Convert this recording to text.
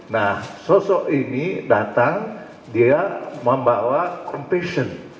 nah sosok ini datang dia membawa convestion